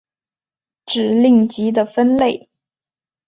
指令集的分类